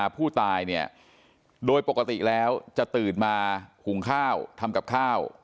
ผู้ตายเนี่ยโดยปกติแล้วจะตื่นมาหุงข้าวทำกับข้าว